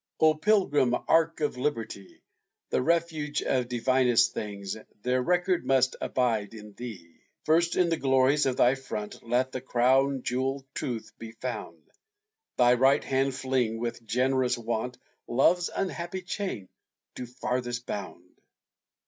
O Pilgrim Ark of Liberty! The refuge of divinest things, Their record must abide in thee! First in the glories of thy front Let the crown jewel, Truth, be found; Thy right hand fling, with generous wont, Love's happy chain to farthest bound!